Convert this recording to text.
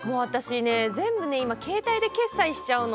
全部、私は携帯で決済しちゃうの。